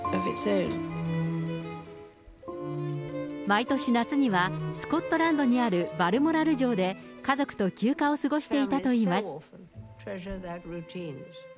毎年夏には、スコットランドにあるバルモラル城で家族と休暇を過ごしていたといいます。